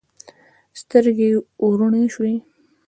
سترګې یې وروڼې شوې.